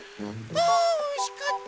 あおいしかった。